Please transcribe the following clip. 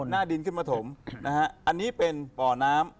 ขุดหน้าดินขึ้นมาถมอันนี้เป็นป่อน้ำ